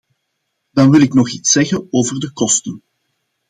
Dan wil ik nog iets zeggen over de kosten.